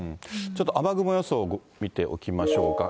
ちょっと雨雲予想を見ておきましょうか。